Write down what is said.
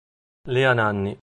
Léa Nanni